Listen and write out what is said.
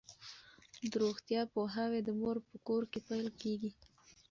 د روغتیا پوهاوی د مور په کور کې پیل کیږي.